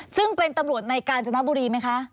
ซึ่งเป็นตำรวจในการจนบุรีไหมคะ